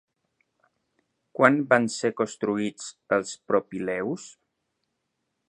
Quan van ser construïts els Propileus?